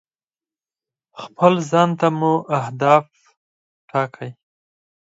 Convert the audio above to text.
خپل ځان ته مو اهداف ټاکئ.